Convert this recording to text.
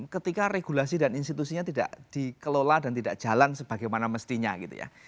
ketika regulasi dan institusinya tidak dikelola dan tidak jalan sebagaimana mestinya gitu ya